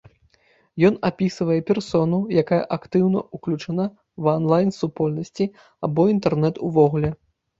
Ён апісвае персону, якая актыўна уключана ва анлайн супольнасці або інтэрнэт увогуле.